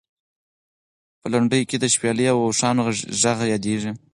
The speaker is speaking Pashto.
په لنډیو کې د شپېلۍ او اوښانو غږ یادېږي.